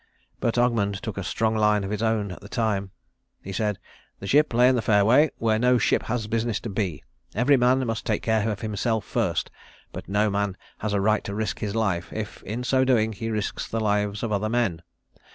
But Ogmund took a strong line of his own at the time. He said, "The ship lay in the fairway where no ship has business to be. Every man must take care of himself first, but no man has a right to risk his life if, in so doing, he risks the lives of other men.